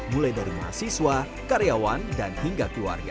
mulai dari mahasiswa karyawan dan hingga keluarga